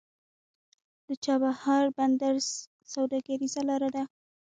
د چابهار بندر سوداګریزه لاره ده